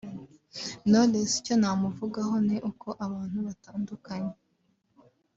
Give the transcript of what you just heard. Knowless icyo namuvugaho ni uko abantu batandukanye